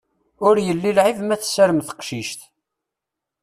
Ur yelli lɛib ma tessarem teqcict.